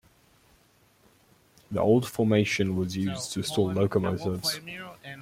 The old formation was used to store locomotives.